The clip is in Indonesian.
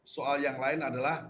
soal yang lain ada